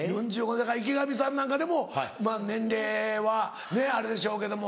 だから池上さんなんかでもまぁ年齢はねあれでしょうけども。